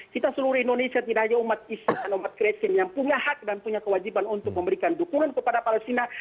kita seluruh indonesia tidak hanya umat islam dan umat kristen yang punya hak dan punya kewajiban untuk memberikan dukungan kepada palestina